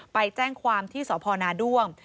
ไปแจ้งความที่สพนาด้วง